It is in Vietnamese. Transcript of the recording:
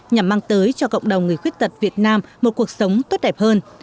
nhằm mang tới cho cộng đồng người khuyết tật việt nam một cuộc sống tốt đẹp hơn